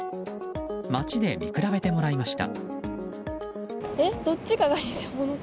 街で見比べてもらいました。